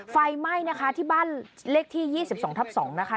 ไฟไหม้นะคะที่บ้านเลขที่๒๒ทับ๒นะคะ